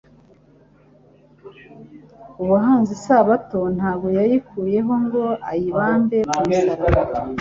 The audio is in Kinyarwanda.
Uwahanze Isabato ntabwo yayikuyeho ngo ayibambe ku musaraba.